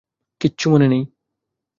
কিচ্ছু মনে নেই।